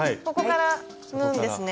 そこから。